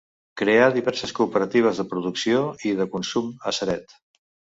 Creà diverses cooperatives de producció i de consum a Ceret.